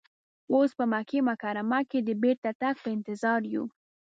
اوس په مکه مکرمه کې د بیرته تګ په انتظار یو.